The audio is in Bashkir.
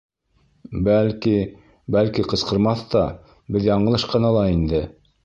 Бәлки... бәлки, ҡысҡырмаҫ та беҙ яңылыш ҡына ла инде...